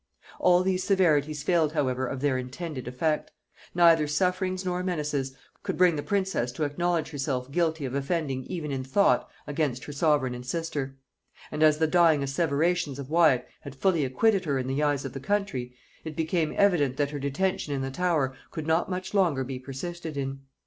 All these severities failed however of their intended effect: neither sufferings nor menaces could bring the princess to acknowledge herself guilty of offending even in thought against her sovereign and sister; and as the dying asseverations of Wyat had fully acquitted her in the eyes of the country, it became evident that her detention in the Tower could not much longer be persisted in.